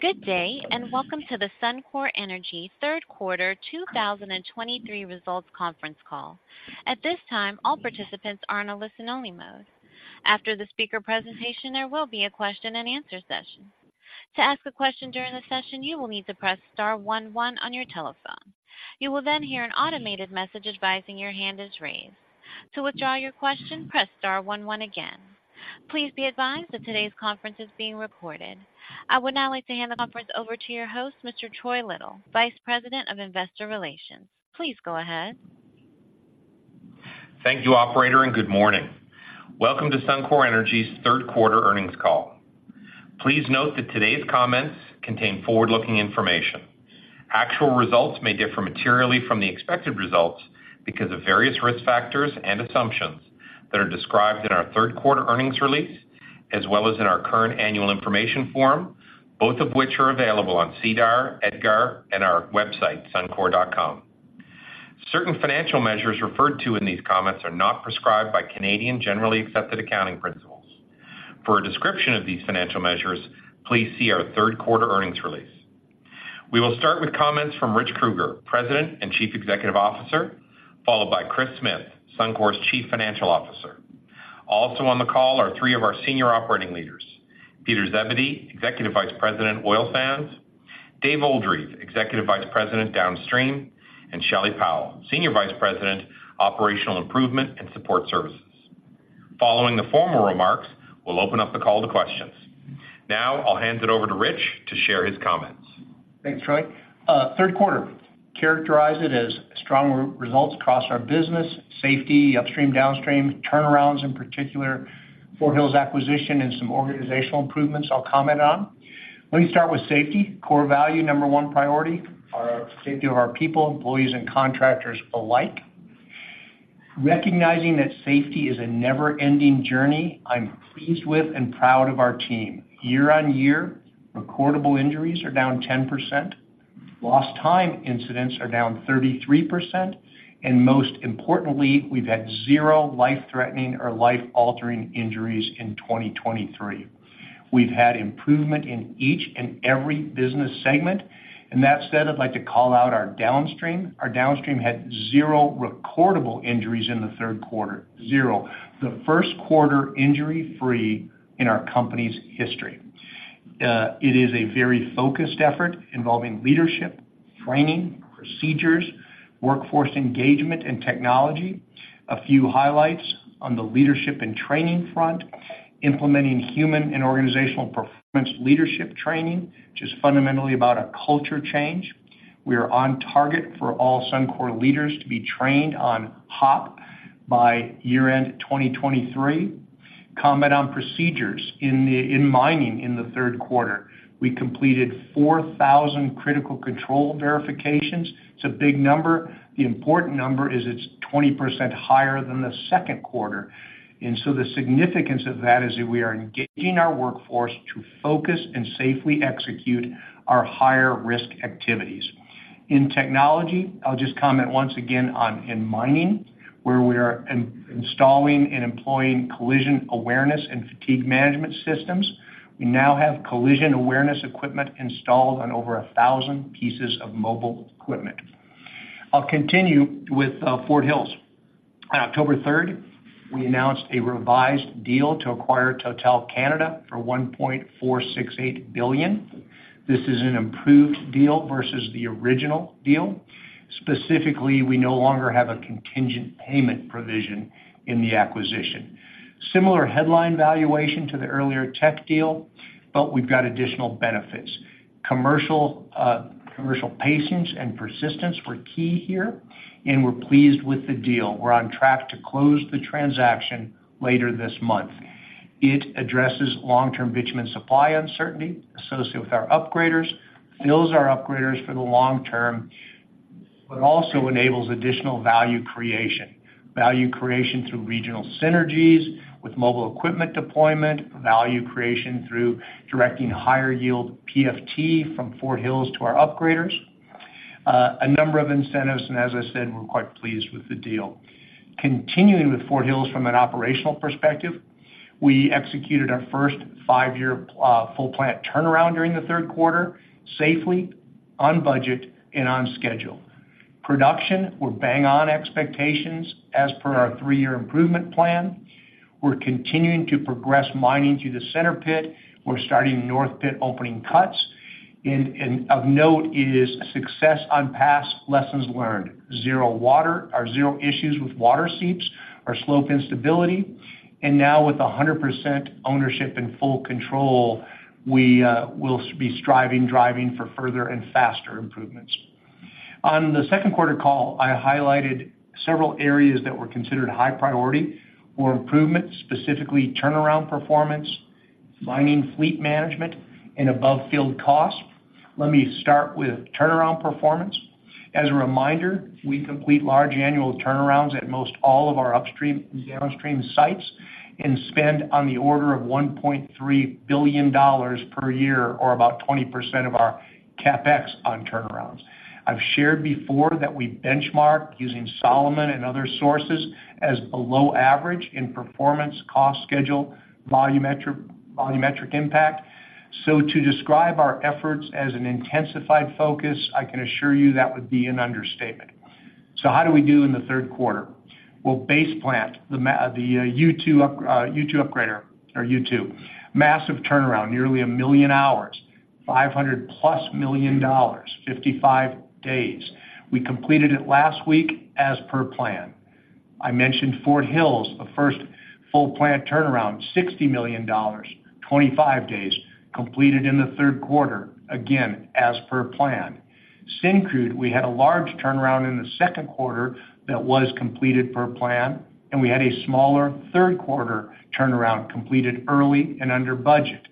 Good day, and welcome to the Suncor Energy Third Quarter 2023 Results Conference Call. At this time, all participants are in a listen-only mode. After the speaker presentation, there will be a question-and-answer session. To ask a question during the session, you will need to press star one one on your telephone. You will then hear an automated message advising your hand is raised. To withdraw your question, press star one one again. Please be advised that today's conference is being recorded. I would now like to hand the conference over to your host, Mr. Troy Little, Vice President of Investor Relations. Please go ahead. Thank you, operator, and good morning. Welcome to Suncor Energy's Third Quarter Earnings Call. Please note that today's comments contain forward-looking information. Actual results may differ materially from the expected results because of various risk factors and assumptions that are described in our third quarter earnings release, as well as in our current annual information form, both of which are available on SEDAR, EDGAR, and our website, Suncor.com. Certain financial measures referred to in these comments are not prescribed by Canadian generally accepted accounting principles. For a description of these financial measures, please see our third quarter earnings release. We will start with comments from Rich Kruger, President and Chief Executive Officer, followed by Kris Smith, Suncor's Chief Financial Officer. Also on the call are three of our senior operating leaders, Peter Zebedee, Executive Vice President, Oil Sands, Dave Oldreive, Executive Vice President, Downstream, and Shelley Powell, Senior Vice President, Operational Improvement and Support Services. Following the formal remarks, we'll open up the call to questions. Now, I'll hand it over to Rich to share his comments. Thanks, Troy. Third quarter, I characterize it as strong results across our business, safety, Upstream, Downstream, turnarounds, in particular, Fort Hills acquisition, and some organizational improvements I'll comment on. Let me start with safety, our core value, number one priority is safety of our people, employees and contractors alike. Recognizing that safety is a never-ending journey, I'm pleased with and proud of our team. Year-on-year, recordable injuries are down 10%, lost time incidents are down 33%, and most importantly, we've had zero life-threatening or life-altering injuries in 2023. We've had improvement in each and every business segment. That said, I'd like to call out our Downstream. Our Downstream had zero recordable injuries in the third quarter, zero, the first quarter injury-free in our company's history. It is a very focused effort involving leadership, training, procedures, workforce engagement, and technology. A few highlights on the leadership and training front, implementing human and organizational performance leadership training, which is fundamentally about a culture change. We are on target for all Suncor leaders to be trained on HOP by year-end 2023. Comment on procedures. In mining in the third quarter, we completed 4,000 critical control verifications. It's a big number. The important number is it's 20% higher than the second quarter. And so the significance of that is that we are engaging our workforce to focus and safely execute our higher risk activities. In technology, I'll just comment once again on in mining, where we are installing and employing collision awareness and fatigue management systems. We now have collision awareness equipment installed on over 1,000 pieces of mobile equipment. I'll continue with Fort Hills. On October third, we announced a revised deal to acquire Total Canada for 1.468 billion. This is an improved deal versus the original deal. Specifically, we no longer have a contingent payment provision in the acquisition. Similar headline valuation to the earlier Teck deal, but we've got additional benefits. Commercial, commercial patience and persistence were key here, and we're pleased with the deal. We're on track to close the transaction later this month. It addresses long-term bitumen supply uncertainty associated with our upgraders, fills our upgraders for the long term, but also enables additional value creation. Value creation through regional synergies with mobile equipment deployment, value creation through directing higher yield PFT from Fort Hills to our upgraders. A number of incentives, and as I said, we're quite pleased with the deal. Continuing with Fort Hills from an operational perspective, we executed our first five-year full plant turnaround during the third quarter, safely, on budget and on schedule. Production, we're bang on expectations as per our three-year improvement plan. We're continuing to progress mining through the center pit. We're starting north pit opening cuts, and of note is success on past lessons learned. Zero water or zero issues with water seeps or slope instability, and now with 100% ownership and full control, we will be striving, driving for further and faster improvements. On the second quarter call, I highlighted several areas that were considered high priority or improvement, specifically turnaround performance, mining, fleet management, and above-field costs. Let me start with turnaround performance. As a reminder, we complete large annual turnarounds at most all of our Upstream and Downstream sites and spend on the order of 1.3 billion dollars per year or about 20% of our CapEx on turnarounds. I've shared before that we benchmark using Solomon and other sources as below average in performance, cost, schedule, volumetric impact. So to describe our efforts as an intensified focus, I can assure you that would be an understatement. So how did we do in the third quarter? Well, Base Plant, the U2 upgrader or U2, massive turnaround, nearly 1 million hours, 500+ million dollars, 55 days. We completed it last week as per plan. I mentioned Fort Hills, the first full plant turnaround, 60 million dollars, 25 days, completed in the third quarter, again, as per plan. Syncrude, we had a large turnaround in the second quarter that was completed per plan, and we had a smaller third quarter turnaround completed early and under budget.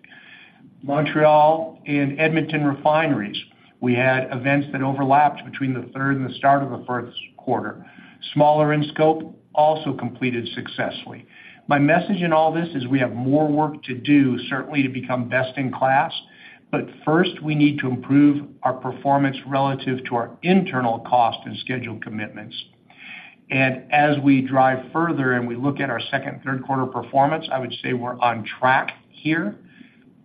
Montreal and Edmonton refineries, we had events that overlapped between the third and the start of the first quarter. Smaller in scope, also completed successfully. My message in all this is we have more work to do, certainly, to become best in class, but first, we need to improve our performance relative to our internal cost and schedule commitments. As we drive further and we look at our second, third quarter performance, I would say we're on track here.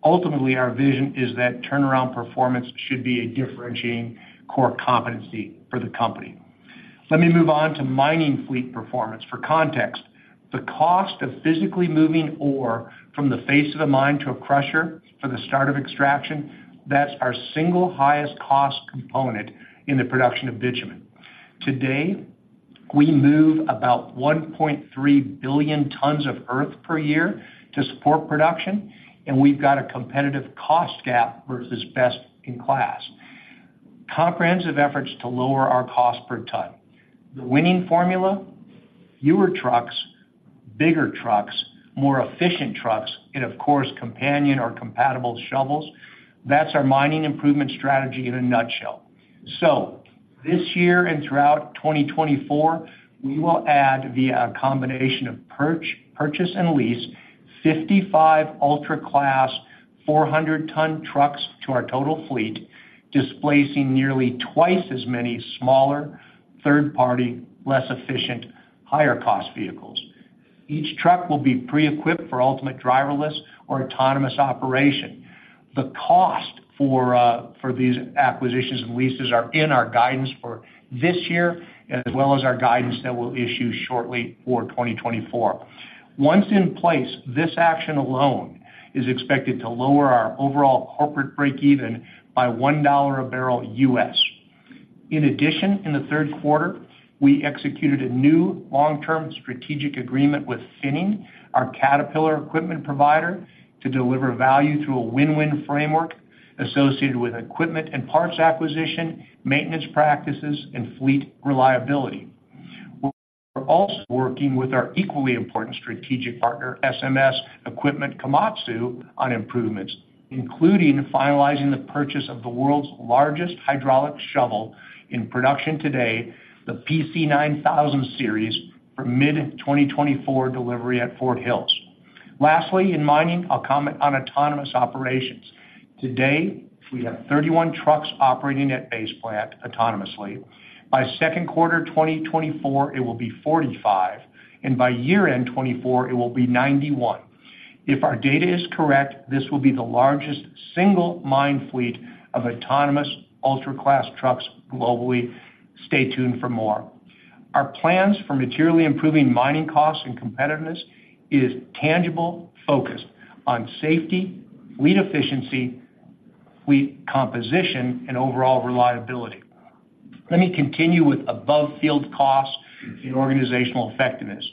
Ultimately, our vision is that turnaround performance should be a differentiating core competency for the company. Let me move on to mining fleet performance. For context, the cost of physically moving ore from the face of a mine to a crusher for the start of extraction, that's our single highest cost component in the production of bitumen. Today, we move about 1.3 billion tons of earth per year to support production, and we've got a competitive cost gap versus best in class. Comprehensive efforts to lower our cost per ton. The winning formula? Fewer trucks, bigger trucks, more efficient trucks, and of course, companion or compatible shovels. That's our mining improvement strategy in a nutshell. So this year and throughout 2024, we will add, via a combination of purchase and lease, 55 Ultra-class, 400-ton trucks to our total fleet, displacing nearly twice as many smaller, third-party, less efficient, higher cost vehicles. Each truck will be pre-equipped for ultimate driverless or autonomous operation. The cost for these acquisitions and leases are in our guidance for this year, as well as our guidance that we'll issue shortly for 2024. Once in place, this action alone is expected to lower our overall corporate breakeven by $1 a barrel US. In addition, in the third quarter, we executed a new long-term strategic agreement with Finning, our Caterpillar equipment provider, to deliver value through a win-win framework associated with equipment and parts acquisition, maintenance practices, and fleet reliability. We're also working with our equally important strategic partner, SMS Equipment Komatsu, on improvements, including finalizing the purchase of the world's largest hydraulic shovel in production today, the PC9000 series, for mid-2024 delivery at Fort Hills. Lastly, in mining, I'll comment on autonomous operations. Today, we have 31 trucks operating at Base Plant autonomously. By second quarter 2024, it will be 45, and by year-end 2024, it will be 91. If our data is correct, this will be the largest single mine fleet of autonomous, ultra-class trucks globally. Stay tuned for more. Our plans for materially improving mining costs and competitiveness is tangible, focused on safety, fleet efficiency, fleet composition, and overall reliability. Let me continue with above-field costs and organizational effectiveness.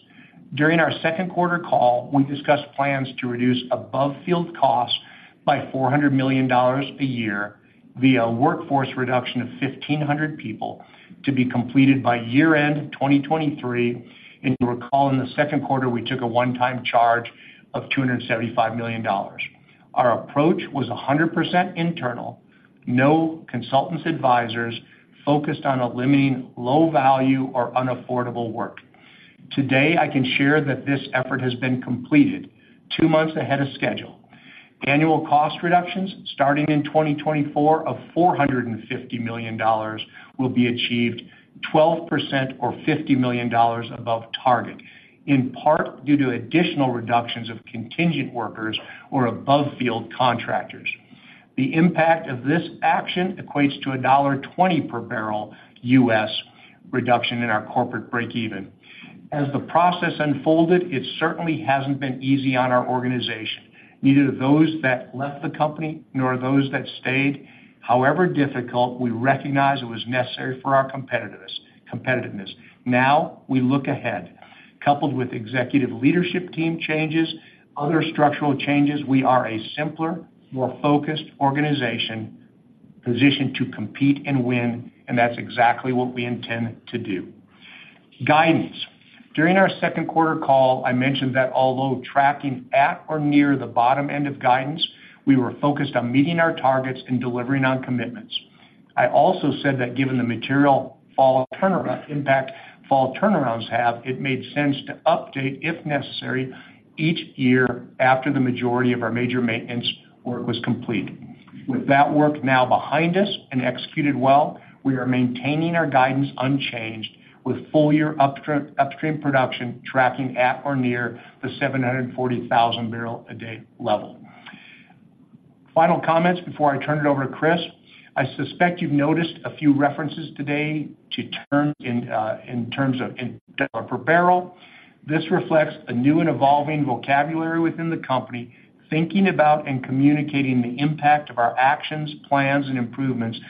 During our second quarter call, we discussed plans to reduce above-field costs by 400 million dollars a year via a workforce reduction of 1,500 people to be completed by year-end 2023, and you'll recall in the second quarter, we took a one-time charge of 275 million dollars. Our approach was 100% internal, no consultants, advisors, focused on eliminating low value or unaffordable work. Today, I can share that this effort has been completed 2 months ahead of schedule. Annual cost reductions, starting in 2024, of $450 million will be achieved, 12% or $50 million above target, in part due to additional reductions of contingent workers or above-field contractors. The impact of this action equates to a $1.20 per barrel US reduction in our corporate breakeven. As the process unfolded, it certainly hasn't been easy on our organization, neither those that left the company, nor those that stayed. However difficult, we recognize it was necessary for our competitiveness. Now, we look ahead. Coupled with executive leadership team changes, other structural changes, we are a simpler, more focused organization, positioned to compete and win, and that's exactly what we intend to do. Guidance. During our second quarter call, I mentioned that although tracking at or near the bottom end of guidance, we were focused on meeting our targets and delivering on commitments. I also said that given the material fall turnaround impact fall turnarounds have, it made sense to update, if necessary, each year after the majority of our major maintenance work was complete. With that work now behind us and executed well, we are maintaining our guidance unchanged, with full-year Upstream, Upstream production tracking at or near the 740,000 barrel a day level. Final comments before I turn it over to Kris. I suspect you've noticed a few references today to turn in, in terms of impact per barrel. This reflects a new and evolving vocabulary within the company, thinking about and communicating the impact of our actions, plans, and improvements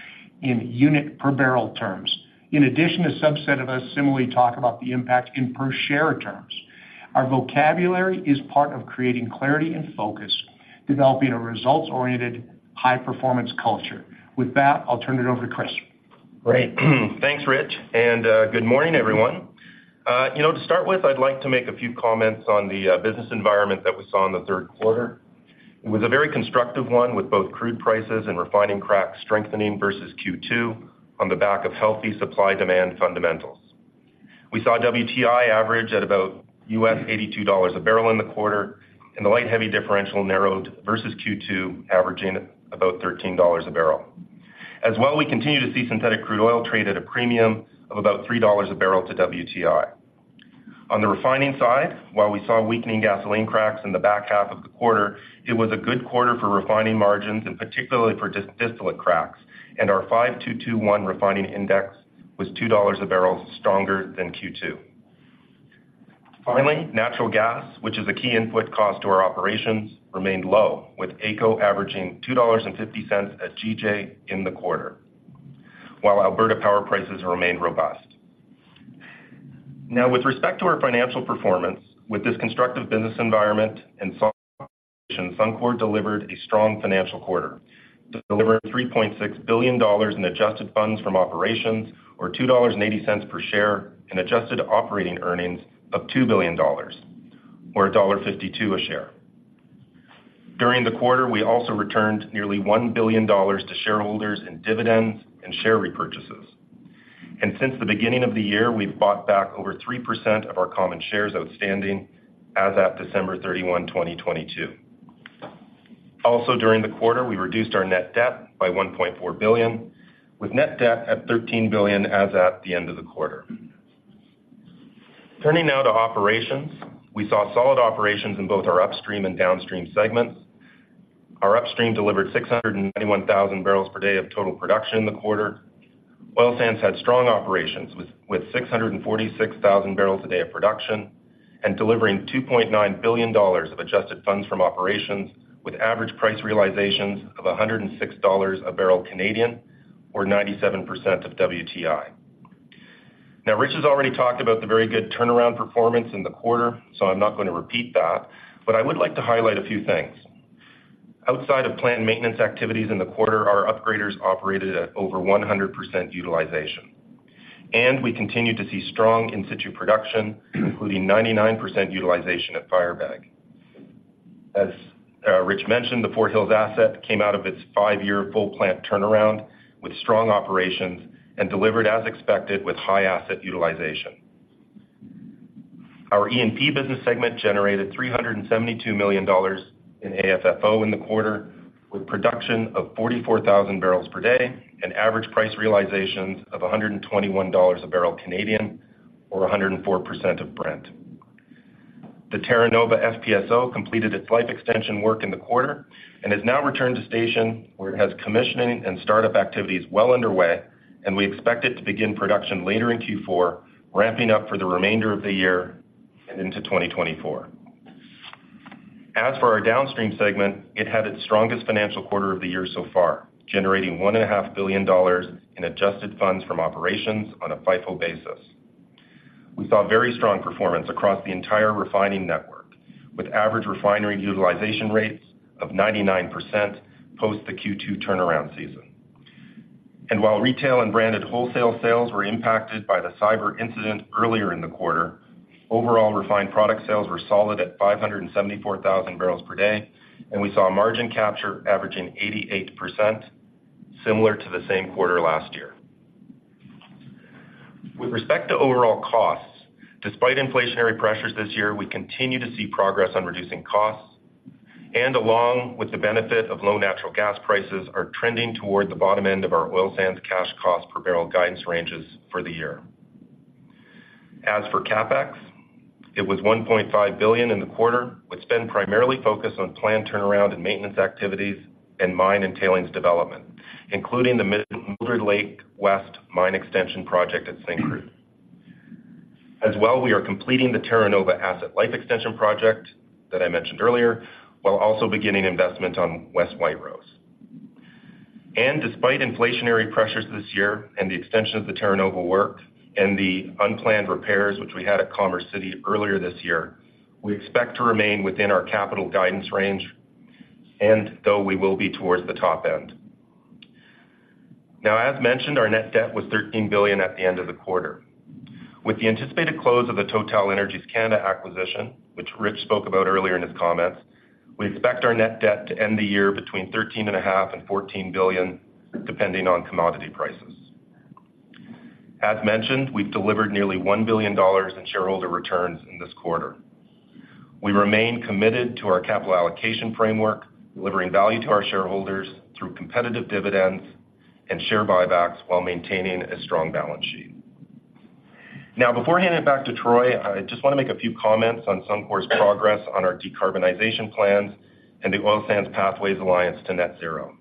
in unit per barrel terms. In addition, a subset of us similarly talk about the impact in per share terms. Our vocabulary is part of creating clarity and focus, developing a results-oriented, high-performance culture. With that, I'll turn it over to Kris. Great. Thanks, Rich, and good morning, everyone. You know, to start with, I'd like to make a few comments on the business environment that we saw in the third quarter. It was a very constructive one, with both crude prices and refining cracks strengthening versus Q2 on the back of healthy supply-demand fundamentals. We saw WTI average at about $82 a barrel in the quarter, and the light heavy differential narrowed versus Q2, averaging about $13 a barrel. As well, we continue to see synthetic crude oil trade at a premium of about $3 a barrel to WTI. On the refining side, while we saw weakening gasoline cracks in the back half of the quarter, it was a good quarter for refining margins and particularly for distillate cracks, and our 5-2-1 refining index was $2 a barrel stronger than Q2. Finally, natural gas, which is a key input cost to our operations, remained low, with AECO averaging 2.50 dollars/GJ in the quarter, while Alberta power prices remained robust. Now, with respect to our financial performance, with this constructive business environment and strong operations, Suncor delivered a strong financial quarter. Delivered 3.6 billion dollars in Adjusted Funds from Operations, or 2.80 dollars per share, and adjusted operating earnings of 2 billion dollars, or dollar 1.52 a share. During the quarter, we also returned nearly 1 billion dollars to shareholders in dividends and share repurchases. Since the beginning of the year, we've bought back over 3% of our common shares outstanding as at December 31, 2022. Also, during the quarter, we reduced our net debt by 1.4 billion, with net debt at 13 billion as at the end of the quarter. Turning now to operations. We saw solid operations in both our Upstream and Downstream segments. Our Upstream delivered 691,000 barrels per day of total production in the quarter. Oil Sands had strong operations, with 646,000 barrels a day of production and delivering 2.9 billion dollars of Adjusted Funds from Operations, with average price realizations of 106 dollars a barrel Canadian, or 97% of WTI. Now, Rich has already talked about the very good turnaround performance in the quarter, so I'm not going to repeat that, but I would like to highlight a few things. Outside of plant maintenance activities in the quarter, our upgraders operated at over 100% utilization, and we continued to see strong in-situ production, including 99% utilization at Firebag. As Rich mentioned, the Fort Hills asset came out of its five-year full plant turnaround with strong operations and delivered as expected with high asset utilization. Our E&P business segment generated 372 million dollars in AFFO in the quarter, with production of 44,000 barrels per day and average price realizations of 121 dollars a barrel Canadian or 104% of Brent. The Terra Nova FPSO completed its life extension work in the quarter and has now returned to station, where it has commissioning and startup activities well underway, and we expect it to begin production later in Q4, ramping up for the remainder of the year and into 2024. As for our Downstream segment, it had its strongest financial quarter of the year so far, generating 1.5 billion dollars in Adjusted Funds from Operations on a FIFO basis. We saw very strong performance across the entire refining network, with average refinery utilization rates of 99% post the Q2 turnaround season. While retail and branded wholesale sales were impacted by the cyber incident earlier in the quarter, overall refined product sales were solid at 574,000 barrels per day, and we saw a margin capture averaging 88%, similar to the same quarter last year. With respect to overall costs, despite inflationary pressures this year, we continue to see progress on reducing costs, and along with the benefit of low natural gas prices, are trending toward the bottom end of our Oil Sands cash cost per barrel guidance ranges for the year. As for CapEx, it was 1.5 billion in the quarter, with spend primarily focused on planned turnaround and maintenance activities and mine and tailings development, including the Mildred Lake West mine extension project at Syncrude. As well, we are completing the Terra Nova Asset Life Extension project that I mentioned earlier, while also beginning investment on West White Rose. Despite inflationary pressures this year and the extension of the Terra Nova work and the unplanned repairs, which we had at Commerce City earlier this year, we expect to remain within our capital guidance range, and though we will be towards the top end. Now, as mentioned, our net debt was 13 billion at the end of the quarter. With the anticipated close of the TotalEnergies Canada acquisition, which Rich spoke about earlier in his comments, we expect our net debt to end the year between 13.5 billion and 14 billion, depending on commodity prices. ...As mentioned, we've delivered nearly 1 billion dollars in shareholder returns in this quarter. We remain committed to our capital allocation framework, delivering value to our shareholders through competitive dividends and share buybacks while maintaining a strong balance sheet. Now, before handing it back to Troy, I just wanna make a few comments on Suncor's progress on our decarbonization plans and the Oil Sands Pathways Alliance to net zero.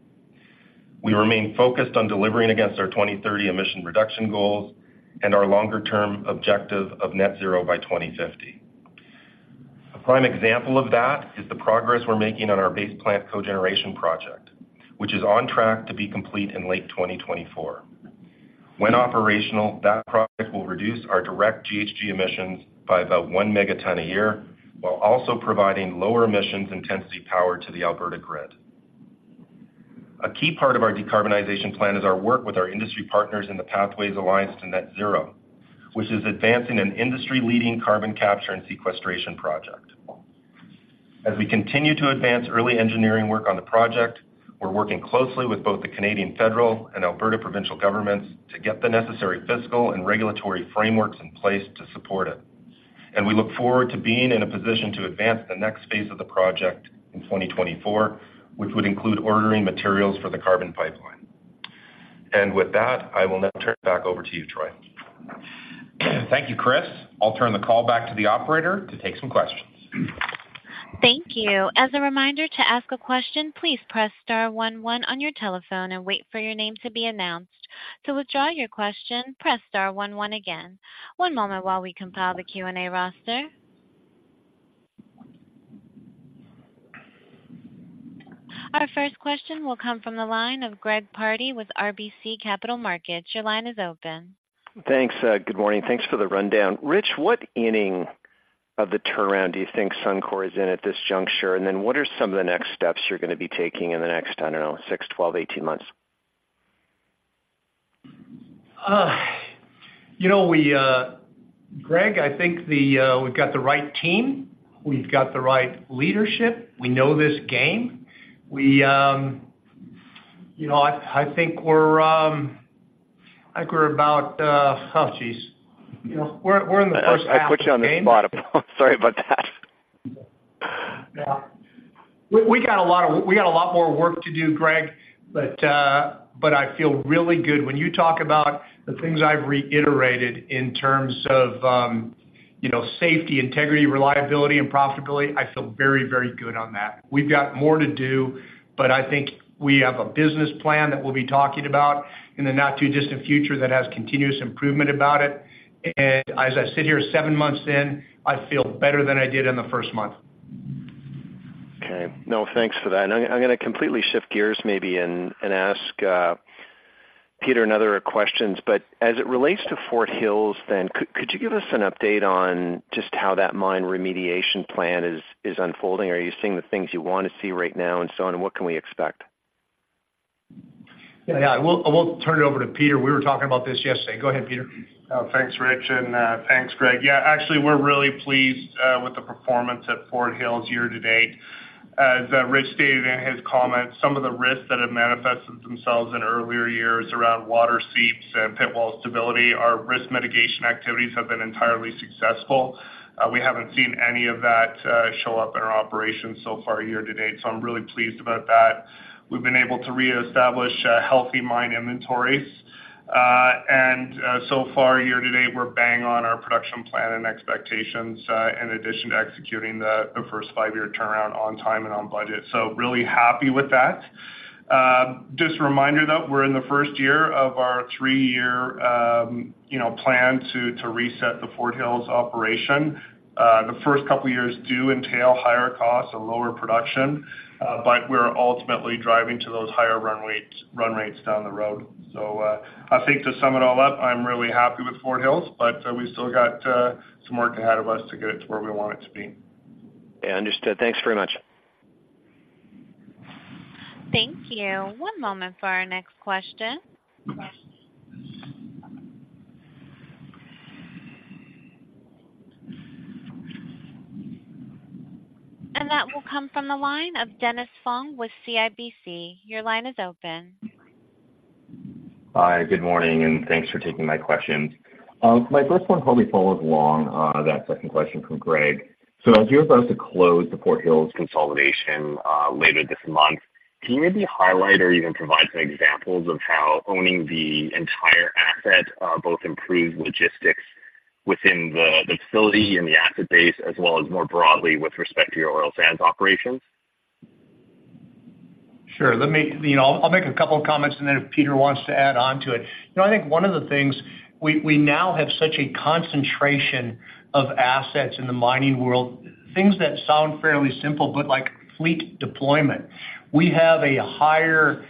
We remain focused on delivering against our 2030 emission reduction goals and our longer-term objective of net zero by 2050. A prime example of that is the progress we're making on our Base Plant cogeneration project, which is on track to be complete in late 2024. When operational, that project will reduce our direct GHG emissions by about one megatonne a year, while also providing lower emissions intensity power to the Alberta grid. A key part of our decarbonization plan is our work with our industry partners in the Pathways Alliance to Net Zero, which is advancing an industry-leading carbon capture and sequestration project. As we continue to advance early engineering work on the project, we're working closely with both the Canadian federal and Alberta provincial governments to get the necessary fiscal and regulatory frameworks in place to support it. We look forward to being in a position to advance the next phase of the project in 2024, which would include ordering materials for the carbon pipeline. With that, I will now turn it back over to you, Troy. Thank you, Kris. I'll turn the call back to the operator to take some questions. Thank you. As a reminder, to ask a question, please press star one one on your telephone and wait for your name to be announced. To withdraw your question, press star one one again. One moment while we compile the Q&A roster. Our first question will come from the line of Greg Pardy with RBC Capital Markets. Your line is open. Thanks. Good morning. Thanks for the rundown. Rich, what inning of the turnaround do you think Suncor is in at this juncture? And then what are some of the next steps you're gonna be taking in the next, I don't know, 6, 12, 18 months? You know, Greg, I think we've got the right team, we've got the right leadership. We know this game. You know, I think we're about, oh, geez, you know, we're in the first half of the game. I put you on the spot. Sorry about that. Yeah. We got a lot more work to do, Greg, but I feel really good. When you talk about the things I've reiterated in terms of, you know, safety, integrity, reliability, and profitability, I feel very, very good on that. We've got more to do, but I think we have a business plan that we'll be talking about in the not-too-distant future that has continuous improvement about it. As I sit here seven months in, I feel better than I did in the first month. Okay. No, thanks for that. And I'm gonna completely shift gears maybe and ask Peter another questions. But as it relates to Fort Hills, then, could you give us an update on just how that mine remediation plan is unfolding? Are you seeing the things you wanna see right now and so on, and what can we expect? Yeah, I will turn it over to Peter. We were talking about this yesterday. Go ahead, Peter. Thanks, Rich, and thanks, Greg. Yeah, actually, we're really pleased with the performance at Fort Hills year to date. As Rich stated in his comments, some of the risks that have manifested themselves in earlier years around water seeps and pit wall stability, our risk mitigation activities have been entirely successful. We haven't seen any of that show up in our operations so far year to date, so I'm really pleased about that. We've been able to reestablish healthy mine inventories. And so far, year to date, we're bang on our production plan and expectations in addition to executing the first five-year turnaround on time and on budget. So really happy with that. Just a reminder, though, we're in the first year of our three-year, you know, plan to reset the Fort Hills operation. The first couple of years do entail higher costs and lower production, but we're ultimately driving to those higher run rates, run rates down the road. So, I think to sum it all up, I'm really happy with Fort Hills, but we've still got some work ahead of us to get it to where we want it to be. Yeah, understood. Thanks very much. Thank you. One moment for our next question. That will come from the line of Dennis Fong with CIBC. Your line is open. Hi, good morning, and thanks for taking my questions. My first one probably follows along that second question from Greg. So as you're about to close the Fort Hills consolidation later this month, can you maybe highlight or even provide some examples of how owning the entire asset both improved logistics within the facility and the asset base, as well as more broadly with respect to your Oil Sands operations? Sure. Let me, you know, I'll make a couple of comments, and then if Peter wants to add on to it. You know, I think one of the things, we now have such a concentration of assets in the mining world, things that sound fairly simple, but like fleet deployment. We have a higher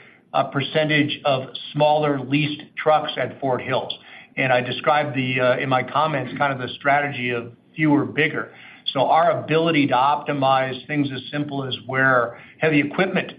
percentage of smaller, leased trucks at Fort Hills, and I described the in my comments, kind of the strategy of fewer, bigger. So our ability to optimize things as simple as where heavy equipment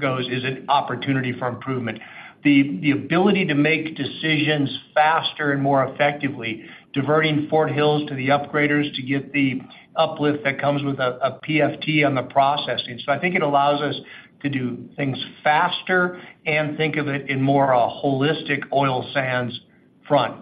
goes is an opportunity for improvement. The ability to make decisions faster and more effectively, diverting Fort Hills to the upgraders to get the uplift that comes with a PFT on the processing. So I think it allows us to do things faster and think of it in more a holistic Oil Sands front.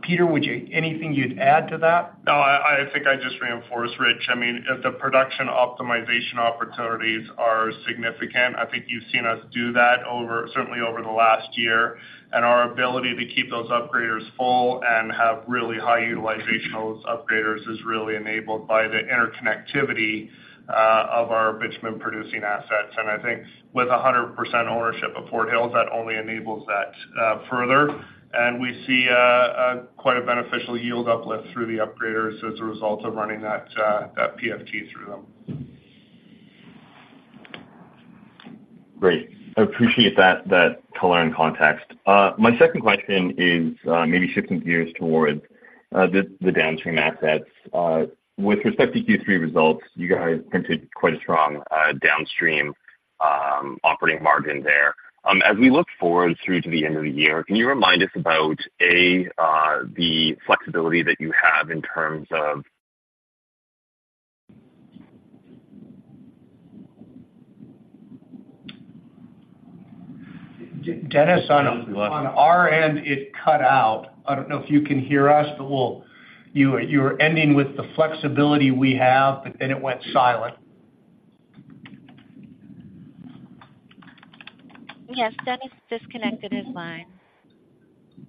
Peter, would you, anything you'd add to that? No, I think I just reinforce Rich. I mean, the production optimization opportunities are significant. I think you've seen us do that over, certainly over the last year, and our ability to keep those upgraders full and have really high utilization of those upgraders is really enabled by the interconnectivity of our bitumen producing assets. And I think with 100% ownership of Fort Hills, that only enables that further. And we see quite a beneficial yield uplift through the upgraders as a result of running that PFT through them. Great. I appreciate that, that color and context. My second question is, maybe shifting gears towards the Downstream assets. With respect to Q3 results, you guys printed quite a strong Downstream operating margin there. As we look forward through to the end of the year, can you remind us about the flexibility that you have in terms of- Dennis, on our end, it cut out. I don't know if you can hear us, but we'll, you were ending with the flexibility we have, but then it went silent. Yes, Dennis disconnected his line.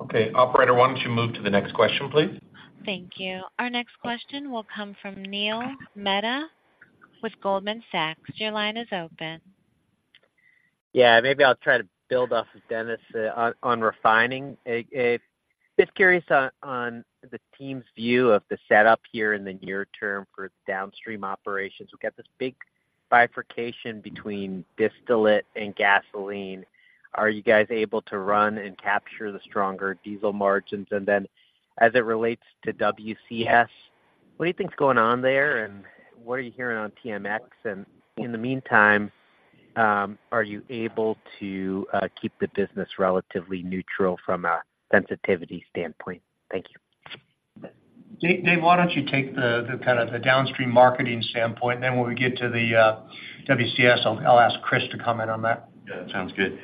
Okay, operator, why don't you move to the next question, please? Thank you. Our next question will come from Neil Mehta with Goldman Sachs. Your line is open. Yeah, maybe I'll try to build off of Dennis on refining. Just curious on the team's view of the setup here in the near term for Downstream operations. We've got this big bifurcation between distillate and gasoline. Are you guys able to run and capture the stronger diesel margins? And then as it relates to WCS, what do you think is going on there, and what are you hearing on TMX? And in the meantime, are you able to keep the business relatively neutral from a sensitivity standpoint? Thank you. Dave, Dave, why don't you take the kind of Downstream marketing standpoint, and then when we get to the WCS, I'll ask Kris to comment on that. Yeah, sounds good.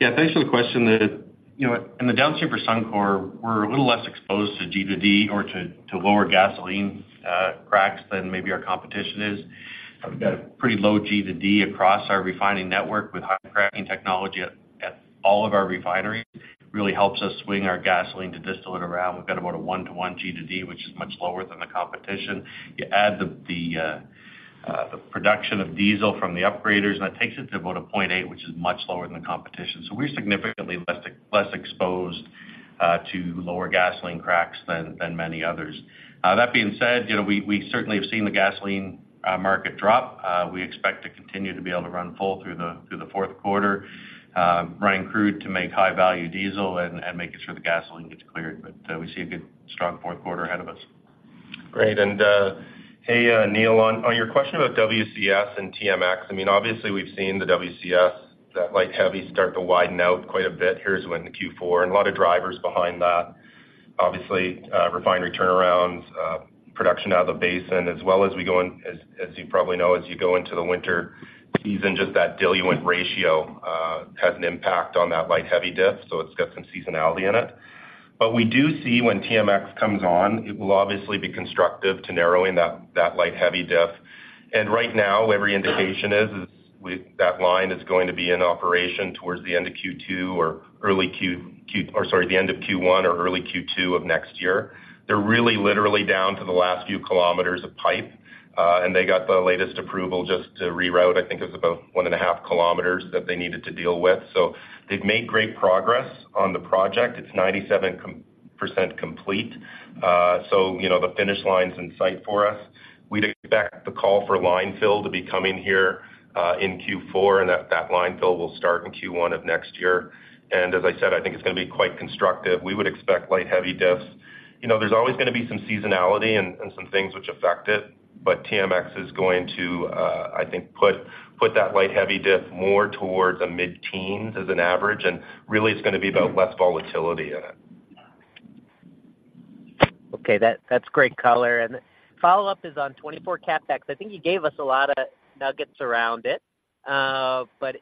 Yeah, thanks for the question. You know, in the Downstream for Suncor, we're a little less exposed to G2D or to lower gasoline cracks than maybe our competition is. We've got a pretty low G2D across our refining network with high cracking technology at all of our refineries. Really helps us swing our gasoline to distillate around. We've got about a 1-to-1 G2D, which is much lower than the competition. You add the production of diesel from the upgraders, and it takes it to about a 0.8, which is much lower than the competition. So we're significantly less exposed to lower gasoline cracks than many others. That being said, you know, we certainly have seen the gasoline market drop. We expect to continue to be able to run full through the, through the fourth quarter, running crude to make high-value diesel and, and making sure the gasoline gets cleared. But, we see a good strong fourth quarter ahead of us. Great. And, hey, Neil, on, on your question about WCS and TMX, I mean, obviously, we've seen the WCS, that light-heavy start to widen out quite a bit here is when the Q4, and a lot of drivers behind that. Obviously, refinery turnarounds, production out of the basin, as well as we go in as, as you probably know, as you go into the winter season, just that diluent ratio, has an impact on that light-heavy diff, so it's got some seasonality in it. But we do see when TMX comes on, it will obviously be constructive to narrowing that light heavy diff. And right now, every indication is with that line is going to be in operation towards the end of Q1 or early Q2 of next year. They're really literally down to the last few kilometers of pipe, and they got the latest approval just to reroute. I think it's about 1.5 km that they needed to deal with. So they've made great progress on the project. It's 97% complete. So, you know, the finish line's in sight for us. We'd expect the call for line fill to be coming here in Q4, and that line fill will start in Q1 of next year. And as I said, I think it's gonna be quite constructive. We would expect light-heavy diffs. You know, there's always gonna be some seasonality and some things which affect it, but TMX is going to, I think, put that light-heavy diff more towards a mid-teens as an average, and really, it's gonna be about less volatility in it. Okay, that's great color. Follow-up is on 2024 CapEx. I think you gave us a lot of nuggets around it. But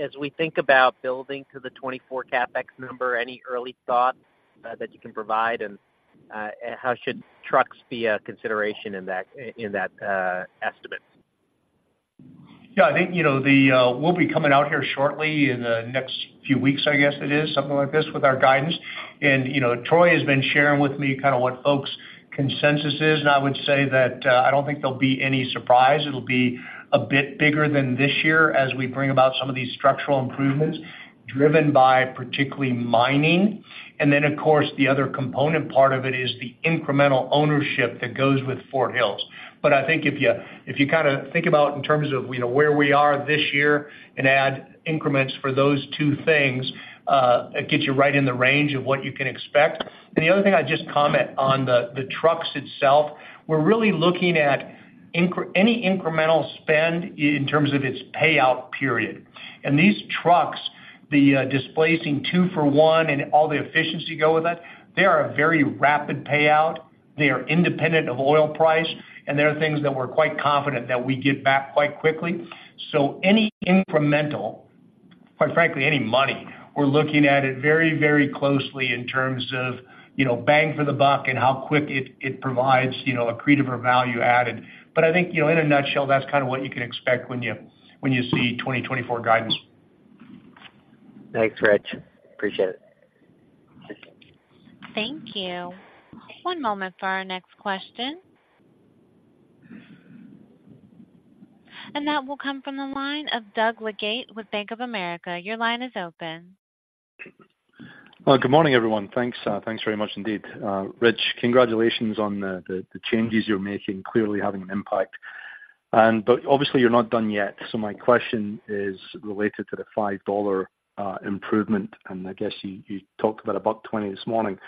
as we think about building to the 2024 CapEx number, any early thoughts that you can provide, and how should trucks be a consideration in that, in that estimate? Yeah, I think, you know, we'll be coming out here shortly in the next few weeks, I guess it is, something like this, with our guidance. And, you know, Troy has been sharing with me kind of what folks' consensus is, and I would say that I don't think there'll be any surprise. It'll be a bit bigger than this year as we bring about some of these structural improvements driven by particularly mining. And then, of course, the other component part of it is the incremental ownership that goes with Fort Hills. But I think if you, if you kind of think about in terms of, you know, where we are this year and add increments for those two things, it gets you right in the range of what you can expect. And the other thing I'd just comment on the trucks itself, we're really looking at any incremental spend in terms of its payout period. And these trucks, the displacing two for one and all the efficiency go with that, they are a very rapid payout, they are independent of oil price, and they are things that we're quite confident that we get back quite quickly. So any incremental, quite frankly, any money, we're looking at it very, very closely in terms of, you know, bang for the buck and how quick it, it provides, you know, accretive or value added. But I think, you know, in a nutshell, that's kind of what you can expect when you, when you see 2024 guidance. Thanks, Rich. Appreciate it. Thank you. One moment for our next question. That will come from the line of Doug Leggate with Bank of America. Your line is open. Well, good morning, everyone. Thanks, thanks very much indeed. Rich, congratulations on the changes you're making, clearly having an impact. But obviously, you're not done yet. So my question is related to the $5 improvement, and I guess you talked about a buck twenty this morning.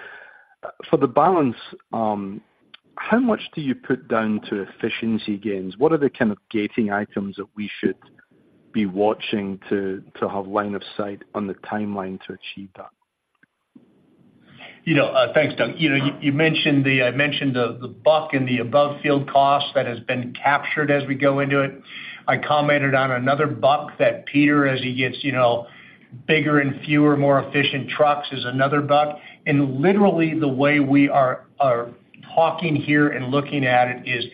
For the balance, how much do you put down to efficiency gains? What are the kind of gating items that we should be watching to have line of sight on the timeline to achieve that? You know, thanks, Doug. You know, I mentioned the buck and the above field cost that has been captured as we go into it. I commented on another buck that Peter, as he gets, you know, bigger and fewer, more efficient trucks, is another buck. And literally, the way we are talking here and looking at it is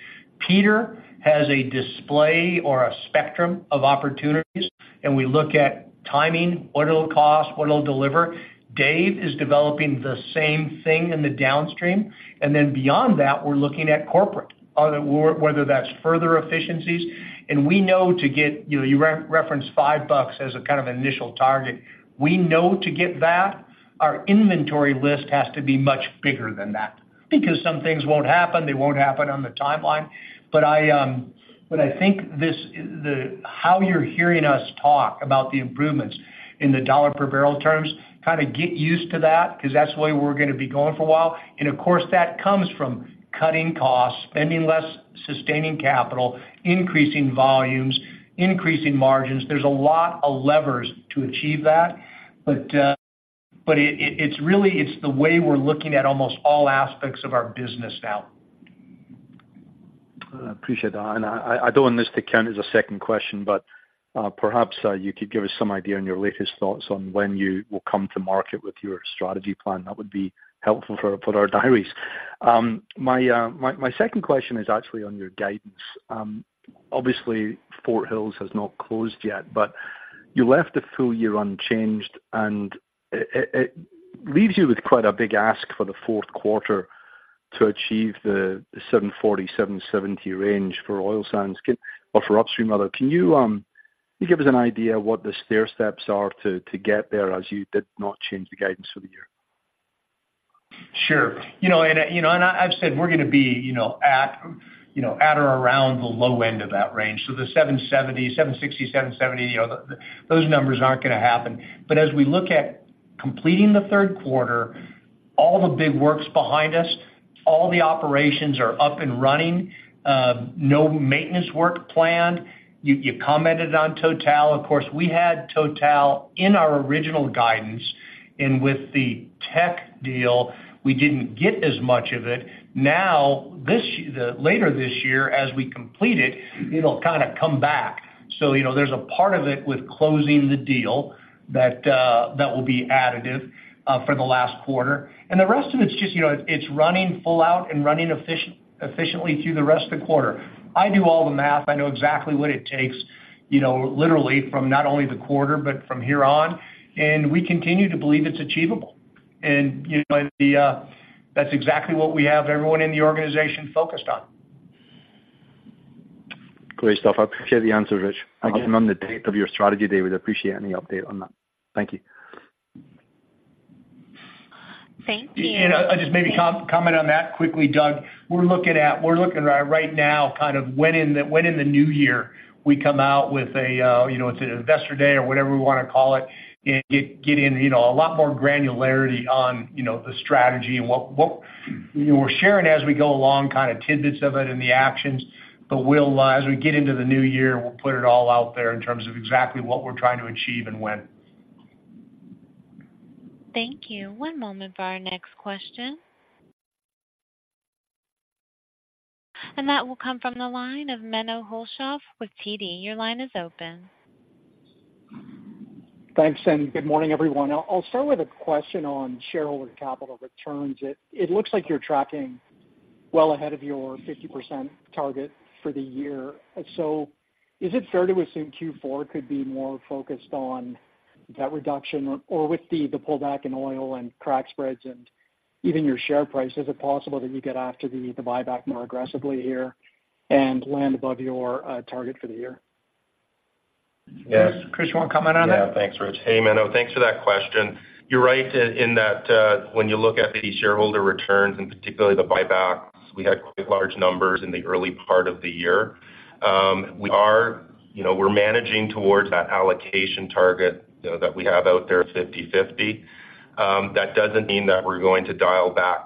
Peter has a display or a spectrum of opportunities, and we look at timing, what it'll cost, what it'll deliver. Dave is developing the same thing in the Downstream, and then beyond that, we're looking at corporate, whether that's further efficiencies. And we know to get... You referenced five bucks as a kind of initial target. We know to get that, our inventory list has to be much bigger than that because some things won't happen, they won't happen on the timeline. But I think this, the way you're hearing us talk about the improvements in the dollar per barrel terms, kind of get used to that, because that's the way we're going to be going for a while. And of course, that comes from cutting costs, spending less, sustaining capital, increasing volumes, increasing margins. There's a lot of levers to achieve that, but it's really the way we're looking at almost all aspects of our business now. I appreciate that. I don't want this to count as a second question, but perhaps you could give us some idea on your latest thoughts on when you will come to market with your strategy plan. That would be helpful for our diaries. My second question is actually on your guidance. Obviously, Fort Hills has not closed yet, but you left the full year unchanged, and it leaves you with quite a big ask for the fourth quarter to achieve the 740-770 range for Oil Sands, or for Upstream, rather. Can you give us an idea what the stairsteps are to get there, as you did not change the guidance for the year? Sure. You know, I've said we're going to be, you know, at or around the low end of that range. So the 770, 760, 770, you know, those numbers aren't going to happen. But as we look at completing the third quarter, all the big work's behind us, all the operations are up and running, no maintenance work planned. You commented on Total. Of course, we had Total in our original guidance, and with the tech deal, we didn't get as much of it. Now, later this year, as we complete it, it'll kind of come back. So, you know, there's a part of it with closing the deal that, that will be additive, for the last quarter. The rest of it's just, you know, it's running full out and running efficient, efficiently through the rest of the quarter. I do all the math. I know exactly what it takes, you know, literally from not only the quarter, but from here on, and we continue to believe it's achievable. And, you know, that's exactly what we have everyone in the organization focused on. Great stuff. I appreciate the answer, Rich. Thank you. On the date of your strategy day, we'd appreciate any update on that. Thank you. Thank you- I'll just maybe comment on that quickly, Doug. We're looking at right now, kind of when in the new year, we come out with a, you know, it's an investor day or whatever we want to call it, and get in, you know, a lot more granularity on, you know, the strategy and what. We're sharing as we go along, kind of tidbits of it and the actions, but we'll, as we get into the new year, we'll put it all out there in terms of exactly what we're trying to achieve and when. Thank you. One moment for our next question. That will come from the line of Menno Hulshof with TD. Your line is open. Thanks, and good morning, everyone. I'll start with a question on shareholder capital returns. It looks like you're tracking well ahead of your 50% target for the year. So is it fair to assume Q4 could be more focused on debt reduction or with the pullback in oil and crack spreads and even your share price? Is it possible that you get after the buyback more aggressively here and land above your target for the year? Yes. Kris, you want to comment on that? Yeah. Thanks, Rich. Hey, Menno, thanks for that question. You're right in that, when you look at the shareholder returns, and particularly the buybacks, we had quite large numbers in the early part of the year. We are, you know, we're managing towards that allocation target, you know, that we have out there, 50/50. That doesn't mean that we're going to dial back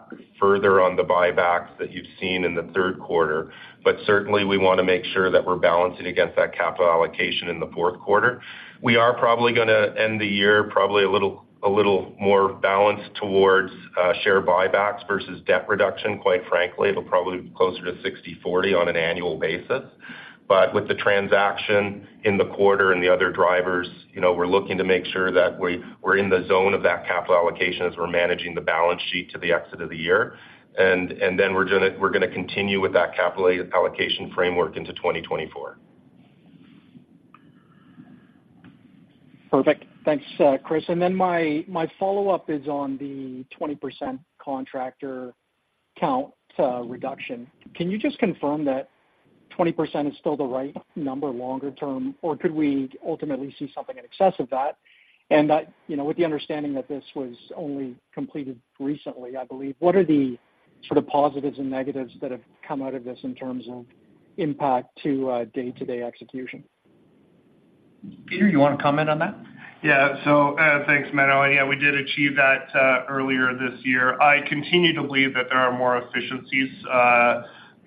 further on the buybacks that you've seen in the third quarter, but certainly, we want to make sure that we're balancing against that capital allocation in the fourth quarter. We are probably going to end the year probably a little, a little more balanced towards, share buybacks versus debt reduction. Quite frankly, it'll probably be closer to 60/40 on an annual basis. But with the transaction in the quarter and the other drivers, you know, we're looking to make sure that we're in the zone of that capital allocation as we're managing the balance sheet to the exit of the year. And then we're gonna continue with that capital allocation framework into 2024. Perfect. Thanks, Kris. And then my, my follow-up is on the 20% contractor count reduction. Can you just confirm that 20% is still the right number longer term, or could we ultimately see something in excess of that? And that, you know, with the understanding that this was only completed recently, I believe, what are the sort of positives and negatives that have come out of this in terms of impact to day-to-day execution? Peter, you want to comment on that? Yeah. So, thanks, Menno. Yeah, we did achieve that earlier this year. I continue to believe that there are more efficiencies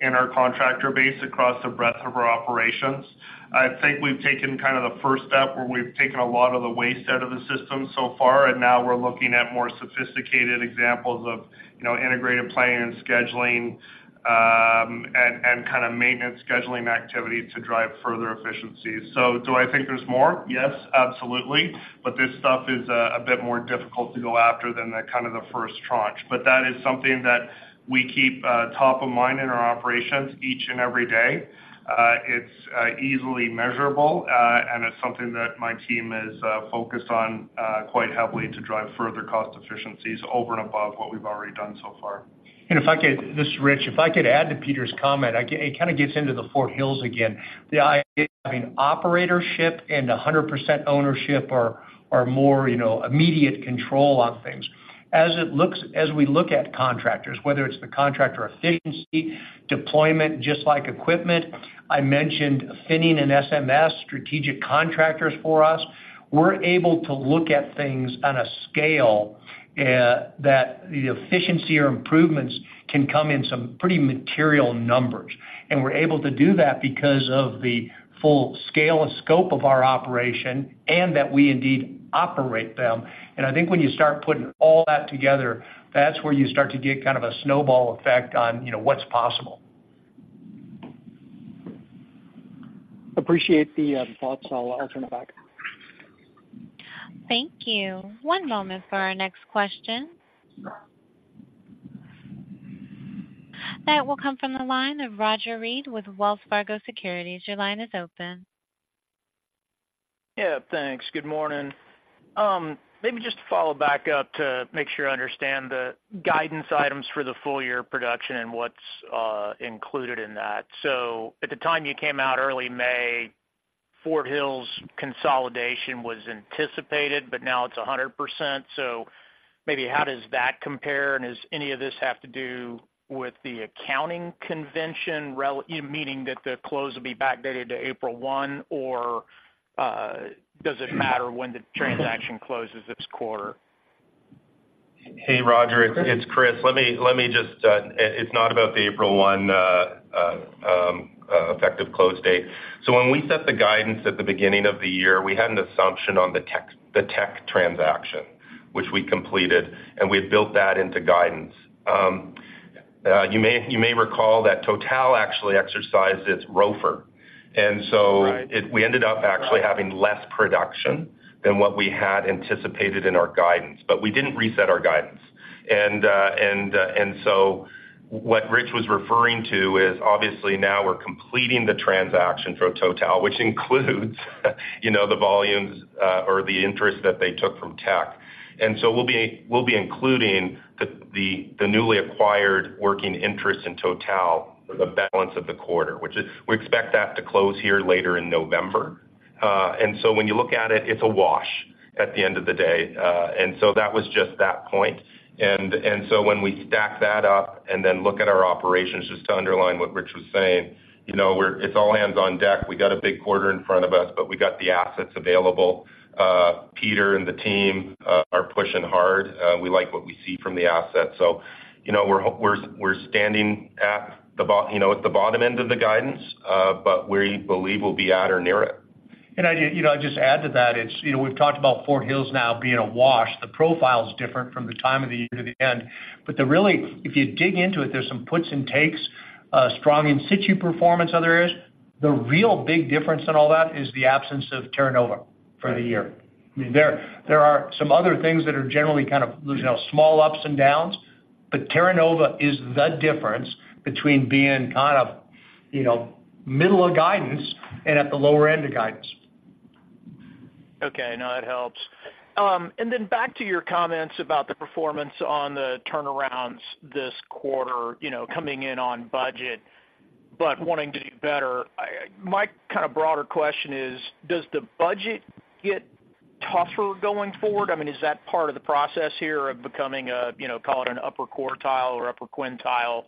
in our contractor base across the breadth of our operations. I think we've taken kind of the first step, where we've taken a lot of the waste out of the system so far, and now we're looking at more sophisticated examples of, you know, integrated planning and scheduling, and, and kind of maintenance scheduling activity to drive further efficiencies. So do I think there's more? Yes, absolutely. But this stuff is a bit more difficult to go after than the kind of the first tranche. But that is something that we keep top of mind in our operations each and every day. It's easily measurable, and it's something that my team is focused on quite heavily to drive further cost efficiencies over and above what we've already done so far. And if I could, this is Rich. If I could add to Peter's comment, I can—it kind of gets into the Fort Hills again, the idea of having operatorship and 100% ownership or, or more, you know, immediate control on things. As it looks, as we look at contractors, whether it's the contractor efficiency, deployment, just like equipment, I mentioned Finning and SMS, strategic contractors for us. We're able to look at things on a scale that the efficiency or improvements can come in some pretty material numbers, and we're able to do that because of the full scale and scope of our operation and that we indeed operate them. And I think when you start putting all that together, that's where you start to get kind of a snowball effect on, you know, what's possible. Appreciate the thoughts. I'll turn it back. Thank you. One moment for our next question. That will come from the line of Roger Read with Wells Fargo Securities. Your line is open. Yeah, thanks. Good morning. Maybe just to follow back up to make sure I understand the guidance items for the full year production and what's included in that. So at the time you came out early May, Fort Hills consolidation was anticipated, but now it's 100%. So maybe how does that compare, and does any of this have to do with the accounting convention rel-- meaning that the close will be backdated to April one, or does it matter when the transaction closes this quarter? Hey, Roger, it's Kris. Let me just, it's not about the April 1 effective close date. When we set the guidance at the beginning of the year, we had an assumption on the Teck transaction, which we completed, and we had built that into guidance. You may recall that Total actually exercised its ROFR. And so- Right. We ended up actually having less production than what we had anticipated in our guidance, but we didn't reset our guidance. And so what Rich was referring to is, obviously, now we're completing the transaction from Total, which includes, you know, the volumes, or the interest that they took from Teck. And so we'll be including the newly acquired working interest in Total for the balance of the quarter, which is, we expect that to close here later in November. And so when you look at it, it's a wash at the end of the day. And so that was just that point. And so when we stack that up and then look at our operations, just to underline what Rich was saying, you know, we're, it's all hands on deck. We got a big quarter in front of us, but we got the assets available. Peter and the team are pushing hard. We like what we see from the assets. So, you know, we're standing at the bottom end of the guidance, but we believe we'll be at or near it. I, you know, I'll just add to that, it's, you know, we've talked about Fort Hills now being a wash. The profile is different from the time of the year to the end. But really, if you dig into it, there's some puts and takes, strong in situ performance, other areas. The real big difference in all that is the absence of Terra Nova for the year. There, there are some other things that are generally kind of, you know, small ups and downs, but Terra Nova is the difference between being kind of, you know, middle of guidance and at the lower end of guidance. Okay. No, that helps. And then back to your comments about the performance on the turnarounds this quarter, you know, coming in on budget, but wanting to do better. My kind of broader question is, does the budget get tougher going forward? I mean, is that part of the process here of becoming a, you know, call it an upper quartile or upper quintile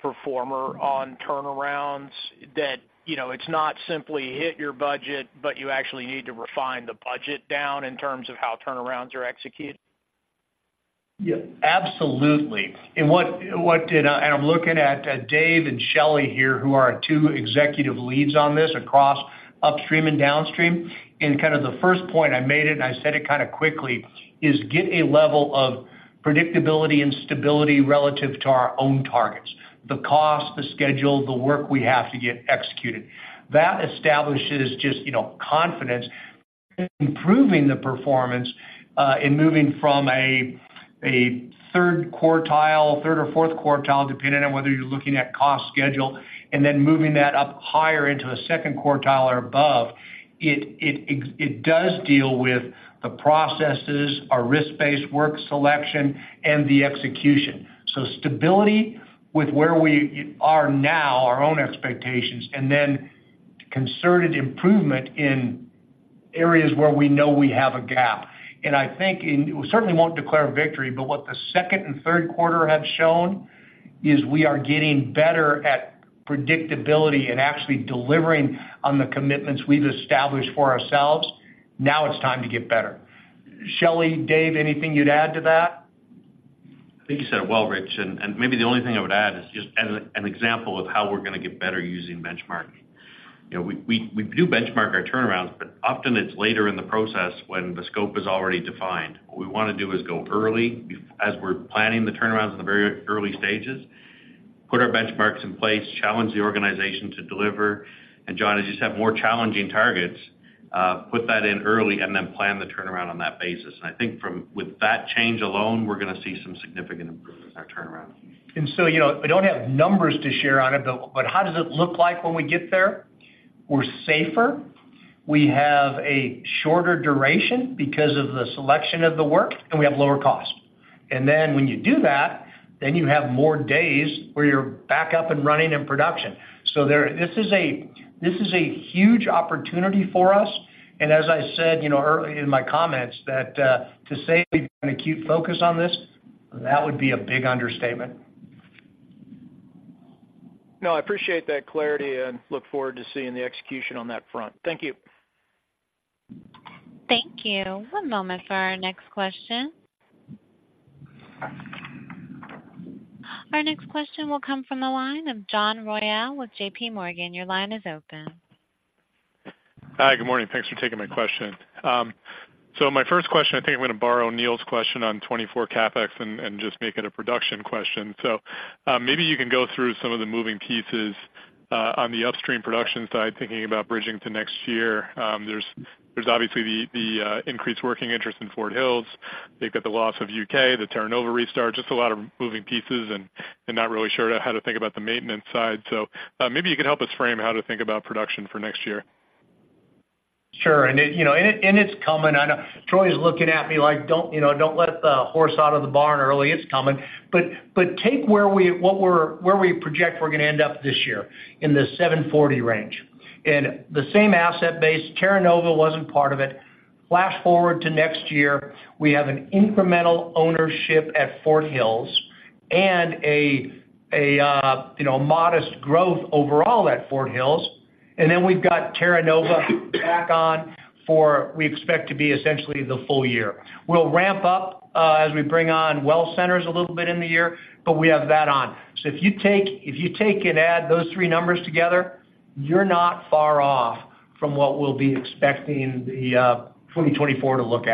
performer on turnarounds? That, you know, it's not simply hit your budget, but you actually need to refine the budget down in terms of how turnarounds are executed. Yeah, absolutely. And what did—and I'm looking at Dave and Shelley here, who are our two executive leads on this across Upstream and Downstream. And kind of the first point I made it, and I said it kind of quickly, is get a level of predictability and stability relative to our own targets, the cost, the schedule, the work we have to get executed. That establishes just, you know, confidence. Improving the performance in moving from a third quartile, third or fourth quartile, depending on whether you're looking at cost schedule, and then moving that up higher into a second quartile or above, it does deal with the processes, our risk-based work selection, and the execution. So stability with where we are now, our own expectations, and then concerted improvement in areas where we know we have a gap. And I think, and we certainly won't declare victory, but what the second and third quarter have shown, is we are getting better at predictability and actually delivering on the commitments we've established for ourselves. Now it's time to get better. Shelley, Dave, anything you'd add to that? I think you said it well, Rich, and maybe the only thing I would add is just as an example of how we're gonna get better using benchmarking. You know, we do benchmark our turnarounds, but often it's later in the process when the scope is already defined. What we wanna do is go early, as we're planning the turnarounds in the very early stages, put our benchmarks in place, challenge the organization to deliver. And John, as you said, more challenging targets, put that in early and then plan the turnaround on that basis. And I think with that change alone, we're gonna see some significant improvements in our turnaround. And so, you know, we don't have numbers to share on it, but, but how does it look like when we get there? We're safer. We have a shorter duration because of the selection of the work, and we have lower cost. And then when you do that, then you have more days where you're back up and running in production. So there, this is a, this is a huge opportunity for us. And as I said, you know, early in my comments, that, to say we've an acute focus on this, that would be a big understatement. No, I appreciate that clarity and look forward to seeing the execution on that front. Thank you. Thank you. One moment for our next question. Our next question will come from the line of John Royall with JP Morgan. Your line is open. Hi, good morning. Thanks for taking my question. So, my first question, I think I'm gonna borrow Neil's question on 2024 CapEx and just make it a production question. So, maybe you can go through some of the moving pieces on the Upstream production side, thinking about bridging to next year. There's obviously the increased working interest in Fort Hills. You've got the loss of U.K., the Terra Nova restart, just a lot of moving pieces and not really sure how to think about the maintenance side. So, maybe you could help us frame how to think about production for next year. Sure. And it, you know, and it, and it's coming. I know Troy is looking at me like, Don't, you know, don't let the horse out of the barn early. It's coming. But take where we project we're gonna end up this year, in the 740 range. And the same asset base, Terra Nova wasn't part of it. Flash forward to next year, we have an incremental ownership at Fort Hills and a you know, modest growth overall at Fort Hills. And then we've got Terra Nova back on for, we expect to be essentially the full year. We'll ramp up as we bring on well centers a little bit in the year, but we have that on. If you take, if you take and add those three numbers together, you're not far off from what we'll be expecting the 2024 to look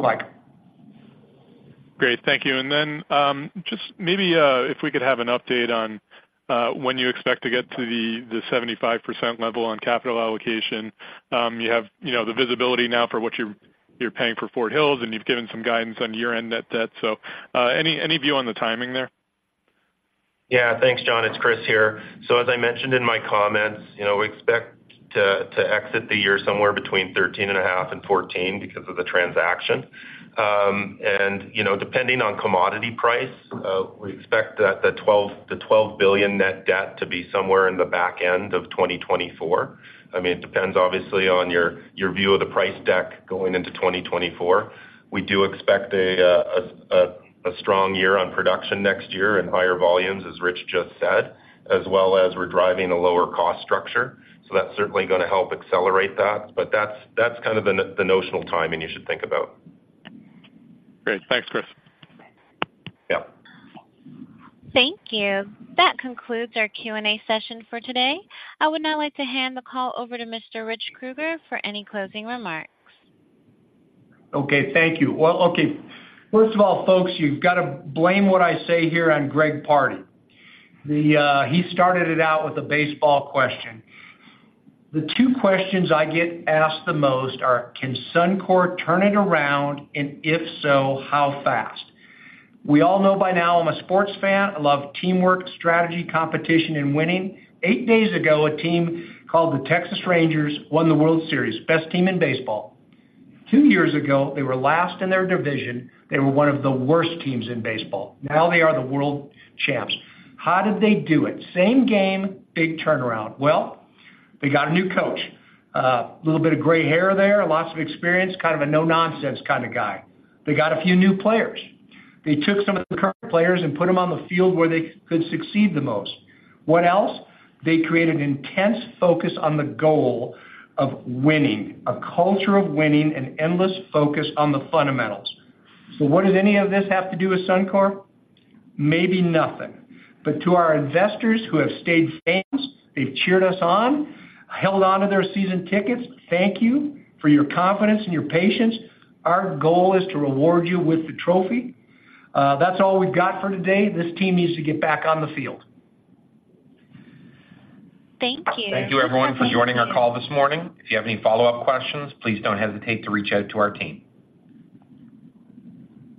like. Great, thank you. And then, just maybe, if we could have an update on when you expect to get to the 75% level on capital allocation. You have, you know, the visibility now for what you're paying for Fort Hills, and you've given some guidance on year-end net debt. So, any view on the timing there? Yeah. Thanks, John. It's Kris here. So as I mentioned in my comments, you know, we expect to exit the year somewhere between 13.5 and 14 because of the transaction. And, you know, depending on commodity price, we expect that the twelve-- the twelve billion net debt to be somewhere in the back end of 2024. I mean, it depends, obviously, on your view of the price deck going into 2024. We do expect a strong year on production next year and higher volumes, as Rich just said, as well as we're driving a lower cost structure. So that's certainly gonna help accelerate that. But that's kind of the no- the notional timing you should think about. Great. Thanks, Kris. Yeah. Thank you. That concludes our Q&A session for today. I would now like to hand the call over to Mr. Rich Kruger for any closing remarks. Okay, thank you. Well, okay, first of all, folks, you've got to blame what I say here on Greg Pardy. The, he started it out with a baseball question. The two questions I get asked the most are: Can Suncor turn it around? And if so, how fast? We all know by now, I'm a sports fan. I love teamwork, strategy, competition, and winning. Eight days ago, a team called the Texas Rangers won the World Series, best team in baseball. Two years ago, they were last in their division. They were one of the worst teams in baseball. Now they are the world champs. How did they do it? Same game, big turnaround. Well, they got a new coach. A little bit of gray hair there, lots of experience, kind of a no-nonsense kind of guy. They got a few new players. They took some of the current players and put them on the field where they could succeed the most. What else? They created an intense focus on the goal of winning, a culture of winning, and endless focus on the fundamentals. So what does any of this have to do with Suncor? Maybe nothing. But to our investors who have stayed fans, they've cheered us on, held on to their season tickets, thank you for your confidence and your patience. Our goal is to reward you with the trophy. That's all we've got for today. This team needs to get back on the field. Thank you. Thank you, everyone, for joining our call this morning. If you have any follow-up questions, please don't hesitate to reach out to our team.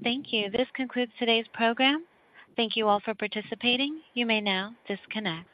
Thank you. This concludes today's program. Thank you all for participating. You may now disconnect.